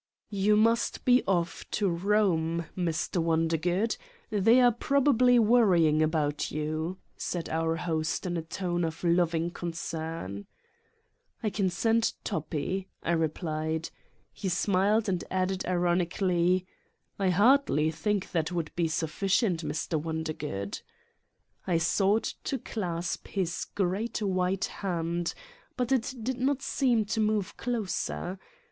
"You must be off to Kome, Mr. Wondergood. They are probably worrying about you," said our host in a tone of loving concern. "I can send Toppi/' I replied. He smiled and added ironically: "I hardly think that would be sufficient, Mr. Wondergood !' r I sought to clasp his great white hand but it did not seem to move closer.